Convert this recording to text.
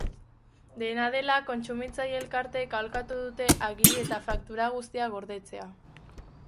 Dena dela, kontsumitzaile elkarteek aholkatu dute agiri eta faktura guztiak gordetzea.